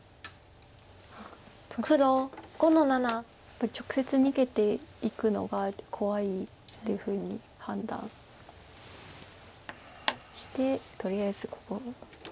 やっぱり直接逃げていくのが怖いっていうふうに判断してとりあえずここ。